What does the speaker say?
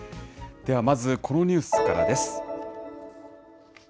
ではまず、このニュースからです。